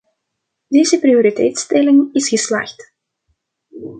Deze prioriteitstelling is geslaagd.